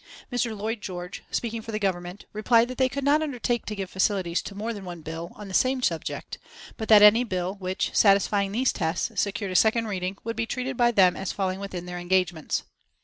Mr. Lloyd George, speaking for the Government, replied that they could not undertake to give facilities to more than one bill on the same subject, but that any bill which, satisfying these tests, secured a second reading, would be treated by them as falling within their engagements.